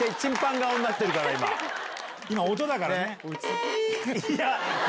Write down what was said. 今音だからね。